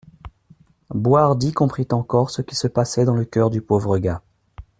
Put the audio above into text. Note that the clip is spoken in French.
Boishardy comprit encore ce qui se passait dans le coeur du pauvre gars.